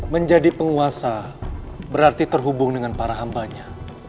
menjadi penguasa berarti terhubung dengan para hambanya